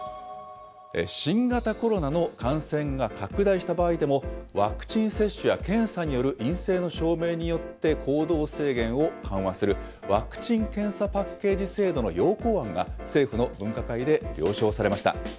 新型コロナの感染が拡大した場合でも、ワクチン接種や検査による陰性の証明によって行動制限を緩和する、ワクチン・検査パッケージ制度の要綱案が、政府の分科会で了承されました。